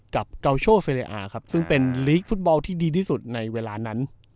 กับเกาโชเฟเลอาครับซึ่งเป็นลีกฟุตบอลที่ดีที่สุดในเวลานั้น